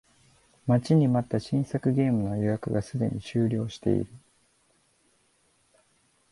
待ちに待った新作ゲームの予約がすでに終了している